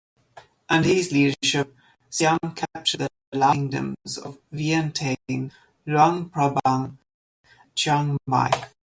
Under his leadership, Siam captured the Lao kingdoms of Vientiane, Luang Prabang, and Chiangmai.